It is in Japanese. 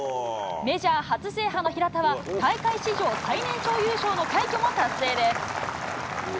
メジャー初制覇の平田は、大会史上最年少優勝の快挙も達成です。